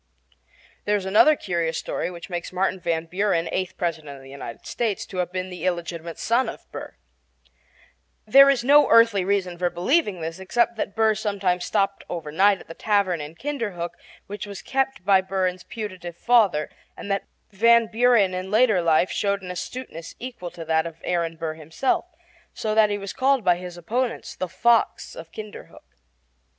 There is another curious story which makes Martin Van Buren, eighth President of the United States, to have been the illegitimate son of Aaron Burr. There is no earthly reason for believing this, except that Burr sometimes stopped overnight at the tavern in Kinderhook which was kept by Van Buren's putative father, and that Van Buren in later life showed an astuteness equal to that of Aaron Burr himself, so that he was called by his opponents "the fox of Kinderhook."